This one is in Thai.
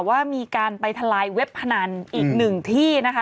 ว่ามีการไปทลายเว็บพนันอีกหนึ่งที่นะคะ